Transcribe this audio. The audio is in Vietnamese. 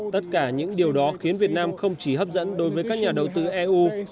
tất cả những điều đó khiến việt nam không chỉ hấp dẫn đối với các nhà đầu tư eu